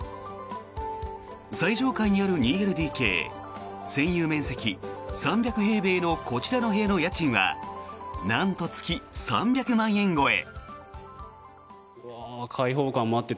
最上階にある２ＬＤＫ専有面積３００平米のこちらの部屋の家賃はなんと月３００万円超え。